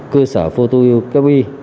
cơ sở photo ukb